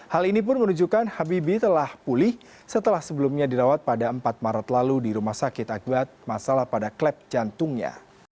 hal ini pun menunjukkan habibie telah pulih setelah sebelumnya dirawat pada empat maret lalu di rumah sakit akibat masalah pada klep jantungnya